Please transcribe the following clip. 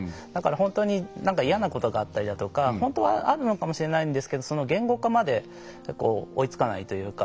本当に嫌なことがあっただとか本当はあるのかもしれないんですけど言語化まで追いつかないというか。